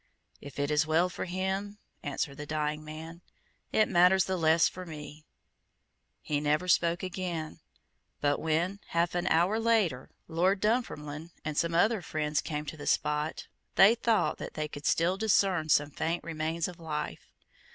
"If it is well for him," answered the dying man, "it matters the less for me." He never spoke again; but when, half an hour later, Lord Dunfermline and some other friends came to the spot, they thought that they could still discern some faint remains of life.